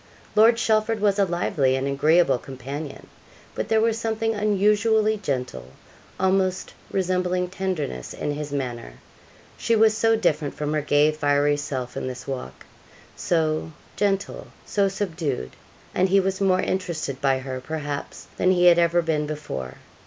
Lord Chelford was a lively and agreeable companion; but there was something unusually gentle, almost resembling tenderness, in his manner. She was so different from her gay, fiery self in this walk so gentle; so subdued and he was more interested by her, perhaps, than he had ever been before.